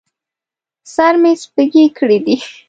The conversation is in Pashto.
سر مې سپږې کړي دي